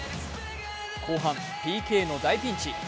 後半、ＰＫの大ピンチ。